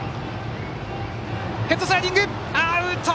ヘッドスライディングはアウト！